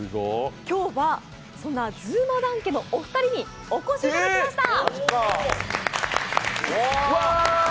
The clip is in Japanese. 今日はそんなずまだんけのお二人にお越しいただきました。